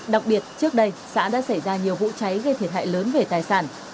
đặc biệt trước đây xã đã xảy ra nhiều vụ cháy gây thiệt hại lớn về tài sản